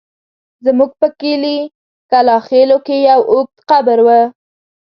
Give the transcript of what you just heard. زموږ په کلي کلاخېلو کې يو اوږد قبر و.